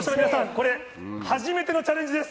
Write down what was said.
これ初めてのチャレンジです。